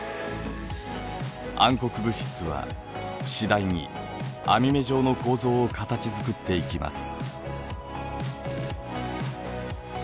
暗黒物質は次第に網目状の構造を形づくっていきます。